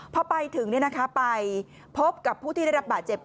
เพราะไปถึงเนี่ยนะคะไปพบกับผู้ได้รับบาดเจ็บ